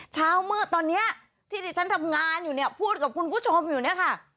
เช้ามืดตอนนี้ที่ที่ฉันทำงานอยู่เนี่ยพูดกับคุณผู้ชมอยู่เนี่ยค่ะ